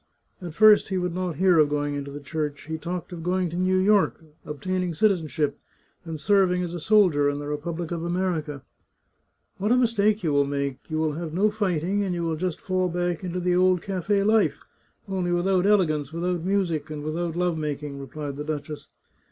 At first he would not hear of going into the Church. He talked of going to New York, obtaining citizenship, and serving as a soldier in the republic of America. " What a mistake you will make ! You will have no fighting, and you will just fall back into the old cafe life, only without elegance, without music, and without love making," replied the duchess.